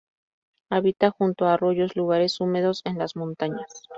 Habita junto a arroyos, lugares húmedos en las montañas.